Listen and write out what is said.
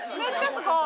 すごい！